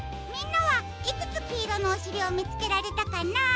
みんなはいくつきいろのおしりをみつけられたかな？